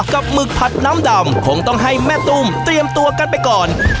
หมึกผัดน้ำดำคงต้องให้แม่ตุ้มเตรียมตัวกันไปก่อน